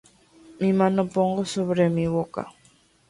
Mi mano pongo sobre mi boca.